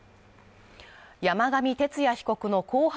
山上徹也被告の公判